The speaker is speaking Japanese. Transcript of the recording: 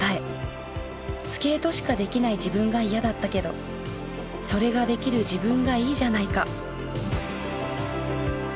スケートしかできない自分が嫌だったけどそれができる自分がいいじゃないか。